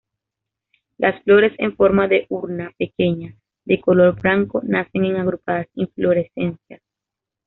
Las flores, en forma de urna pequeña, de color blanco nacen en agrupadas inflorescencias.